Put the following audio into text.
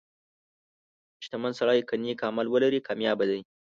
• شتمن سړی که نیک عمل ولري، کامیابه دی.